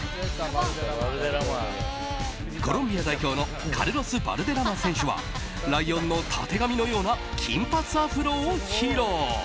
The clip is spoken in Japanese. コロンビア代表のカルロス・バルデラマ選手はライオンのたてがみのような金髪アフロを披露。